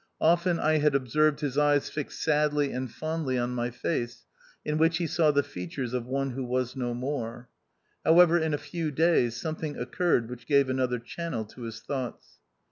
Often I had THE OUTCAST. 151 observed his eyes fixed sadly and fondly on my face, in which he saw the features of one who was no more. However, in a few days, something occurred which gave an other channel to his thoughts.